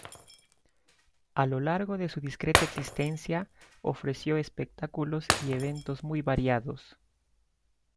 A lo largo de su discreta existencia ofreció espectáculos y eventos muy variados.